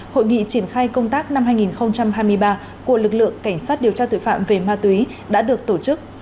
hội nghị triển khai công tác năm hai nghìn hai mươi ba của lực lượng cảnh sát điều tra tội phạm về ma túy đã được tổ chức